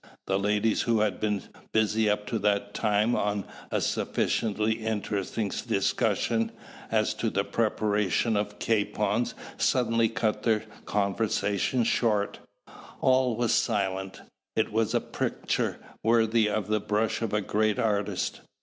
The ladies, who had been busy up to that time on a sufficiently interesting discussion as to the preparation of capons, suddenly cut their conversation short. All was silence. It was a picture worthy of the brush of a great artist.